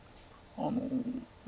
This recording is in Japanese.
あの。